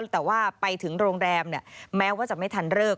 แต่ว่าไปถึงโรงแรมแม้ว่าจะไม่ทันเลิก